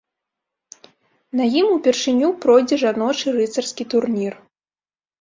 На ім упершыню пройдзе жаночы рыцарскі турнір.